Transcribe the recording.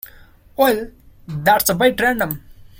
Well, that's a bit random!.